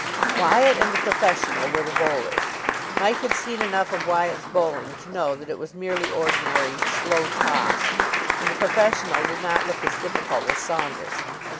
Wyatt and the professional were the bowlers. Mike had seen enough of Wyatt's bowling to know that it was merely ordinary "slow tosh," and the professional did not look as difficult as Saunders.